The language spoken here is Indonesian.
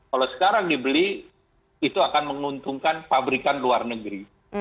kalau sekarang dibeli itu akan menguntungkan pabrikan luar negeri